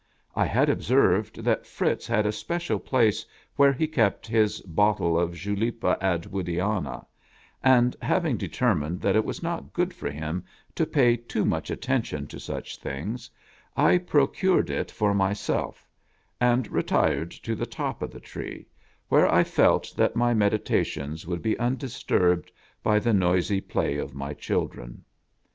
I had observed that Fritz had a special place where he kept his bottle of Julepa Attwoodiana, and, having determined that it was not good for him to pay too much attention to such things, I procured it for myself, and retired to the top of the tree where I felt that my meditations would be undisturbed by the noisy play of my children.